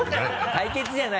対決じゃない。